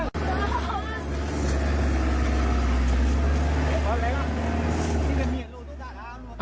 ขึ้นไปเลย